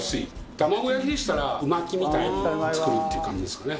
卵焼きでしたらう巻きみたいに作るっていう感じですかね。